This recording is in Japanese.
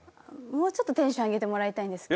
もうちょっとテンション上げてもらいたいんですけど。